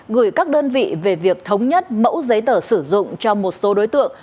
gửi các đơn vị về việc thống nhất mẫu giấy tờ sử dụng cho một số đối tượng